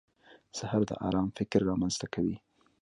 سهار د ارام فکر رامنځته کوي.